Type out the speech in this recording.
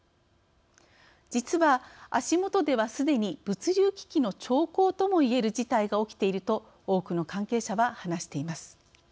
実は、足元では、すでに物流危機の兆候ともいえる事態が起きていると多くの関係者は話しています。